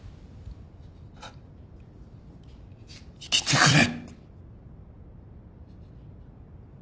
生きてくれ。